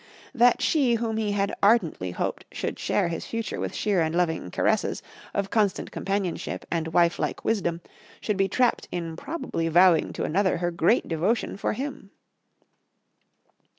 That she whom he had ardently hoped should share his future with sheer and loving caresses of constant companionship and wife like wisdom should be trapped in probably vowing to another her great devotion for him!